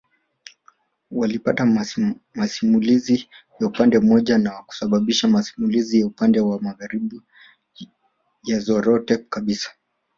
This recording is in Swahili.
Walipata masimulizi ya upande mmoja na kusababisha masimulizi ya upande wa magharibi yazorote kabisa